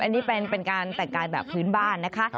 อันนี้เป็นการแต่งกายแบบพื้นบ้านนะคะ